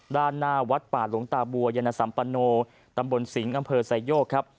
ด้านหน้าวัดป่าหลวงตาบัวยันสัมปโนตำบลสิงห์อำเภอไซโยกครับ